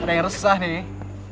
ada yang resah nih